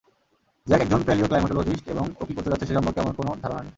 Jack একজন palaeoclimatologist এবং ও কী করতে চাচ্ছে সে সম্পর্কে আমার কোনও ধারণা নেই!